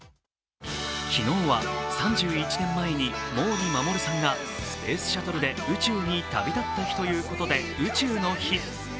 昨日は３１年前に毛利衛さんがスペースシャトルで宇宙に旅立った日ということで、宇宙の日。